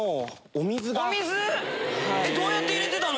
お水⁉どうやって入れてたの？